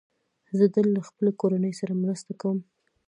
زه تل له خپلې کورنۍ سره مرسته کوم.